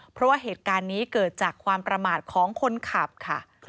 เพราะว่าเหตุการณ์นี้เกิดจากความประมาทของคนขับค่ะ